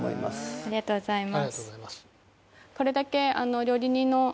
ありがとうございます